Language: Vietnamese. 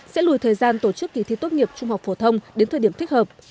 sẽ lùi thời gian tổ chức kỳ thi tốt nghiệp trung học phổ thông đến thời điểm thích hợp